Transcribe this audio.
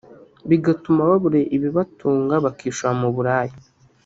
bigatuma babura ibibatunga bakishora mu buraya